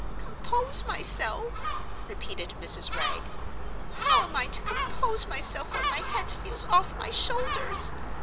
"Compose myself?" repeated Mrs. Wragge. "How am I to compose myself when my head feels off my shoulders?